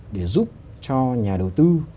để giúp cho nhà đầu tư